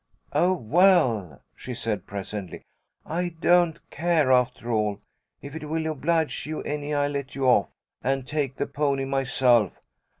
"Oh, well," she said, presently, "I don't care, after all. If it will oblige you any I'll let you off, and take the pony myself."